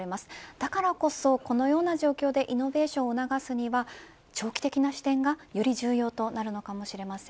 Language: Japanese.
だからこそ、このような状況でイノベーションを促すには長期的な視点がより重要となるのかもしれません。